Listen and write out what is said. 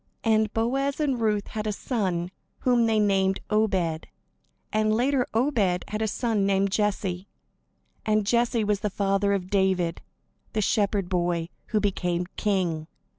And Boaz and Ruth had a son, whom they named Obed; and later Obed had a son named Jesse; and Jesse was the father of David, the shepherd boy who became king.